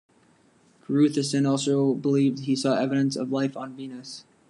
Gruithuisen also believed he saw evidence of life on Venus.